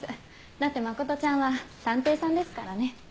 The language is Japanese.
だって真ちゃんは探偵さんですからね。